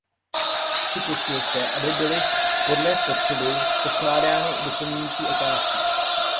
Připustil jste, aby byly podle potřeby pokládány doplňující otázky.